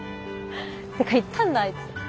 てか言ったんだあいつ。